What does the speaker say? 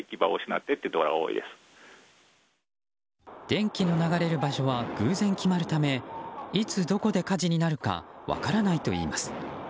電気の流れる場所は偶然決まるためいつどこで火事になるか分からないといいます。